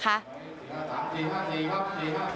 ๓๔๕๔ครับ๔๕๔